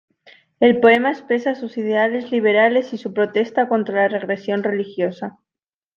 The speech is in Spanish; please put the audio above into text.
El poema expresa sus ideales liberales y su protesta contra la represión religiosa.